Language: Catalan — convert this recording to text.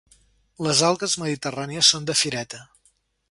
Les algues mediterrànies són de fireta.